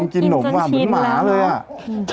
กินขนมเหมือนหมาเลยอะ